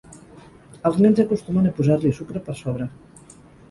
Els nens acostumen a posar-li sucre per sobre.